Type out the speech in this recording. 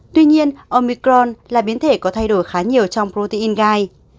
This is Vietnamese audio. tuy nhiên omicron là biến thể có thay đổi khá nhiều trong protein gai